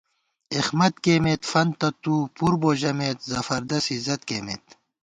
اېخمت کېئیمېت، فنتہ تُو پُر بو ژمېت، زفردس عزت کېئیمېت